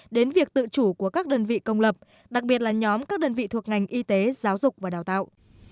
đến việc tự chủ của các đơn vị công lập đặc biệt là nhóm các đơn vị thuộc ngành y tế giáo dục và đào tạo